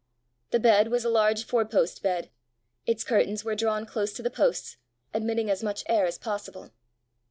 The bed was a large four post bed; its curtains were drawn close to the posts, admitting as much air as possible.